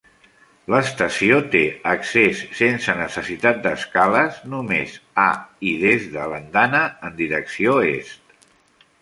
L'estació té accés sense necessitat d'escales només a i des de l'andana en direcció est.